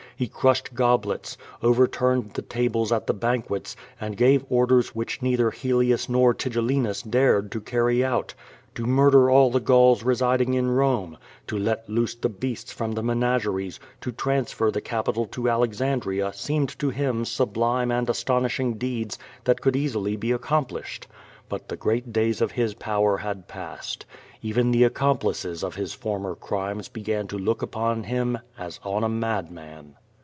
He crushed goblets, overturned the tables at the banquets, and gave orders which neither Hel ius nor Tigellinus dared to carry out. To murder all the Gauls residing in Home, to let loose the beasts from the me nageries, to transfer the capital to Alexandria seemed to him sublime and astonishing deeds that could easily be accom QUO 7ADIS. 513. plished. But the great days of his power had passed. Even the accomplices of his former crimes began to look upon hini as on a madman.